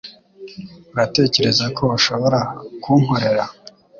Uratekereza ko ushobora kunkorera?